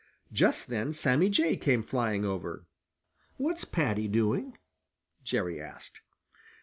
Just then Sammy Jay came flying over. "What's Paddy doing?" Jerry asked.